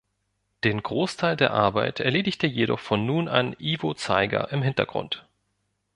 Den Großteil der Arbeit erledigte jedoch von nun an Ivo Zeiger im Hintergrund.